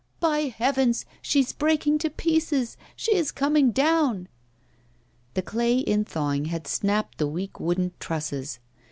'By heavens, she's breaking to pieces! she is coming down!' The clay, in thawing, had snapped the weak wooden trusses.